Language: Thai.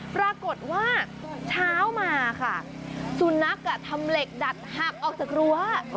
ปรากฏว่าเช้ามาค่ะสุนัขทำเหล็กดัดหักออกจากรั้ว